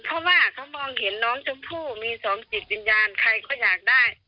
เพราะว่าเขามองเห็นน้องชมพู่มีสองจิตวิญญาณใครก็อยากได้